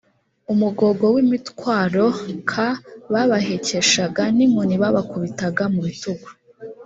umugogo w imitwaro k babahekeshaga n inkoni babakubitaga mu bitugu